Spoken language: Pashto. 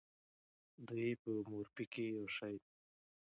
دوی په مورفي کې یو شی دي.